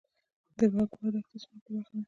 د بکوا دښته څومره پراخه ده؟